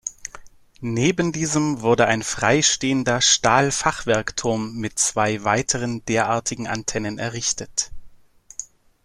Neben diesem wurde ein freistehender Stahlfachwerkturm mit zwei weiteren derartigen Antennen errichtet.